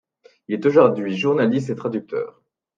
Il est aujourd'hui journaliste et traducteur.